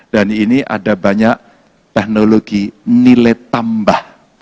dan ini ada banyak teknologi nilai tambah